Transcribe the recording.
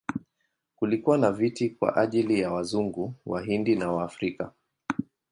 Kulikuwa na viti kwa ajili ya Wazungu, Wahindi na Waafrika.